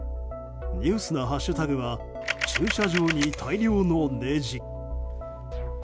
ニュースなハッシュタグは「＃駐車場に大量のねじ」。